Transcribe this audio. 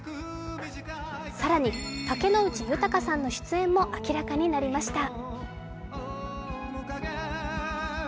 更に竹野内豊さんの出演も明らかになりました。